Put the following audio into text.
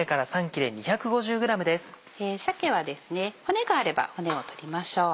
鮭は骨があれば骨を取りましょう。